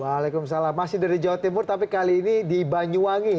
waalaikumsalam masih dari jawa timur tapi kali ini di banyuwangi